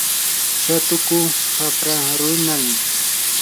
shatuku qapra runam.